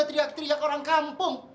tidak teriak orang kampung